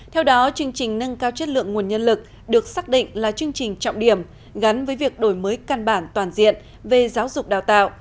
theo đó chương trình nâng cao chất lượng nguồn nhân lực được xác định là chương trình trọng điểm gắn với việc đổi mới căn bản toàn diện về giáo dục đào tạo